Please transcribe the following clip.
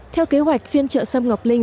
theo kế hoạch phiên trợ xâm ngọc linh